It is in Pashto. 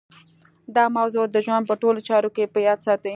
دا موضوع د ژوند په ټولو چارو کې په یاد ساتئ